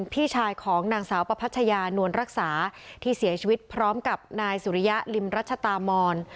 พี่ชายของนางสาวประพัชญานวลรักษาที่เสียชีวิตพร้อมกับนายสุริยะริมรัชตามอน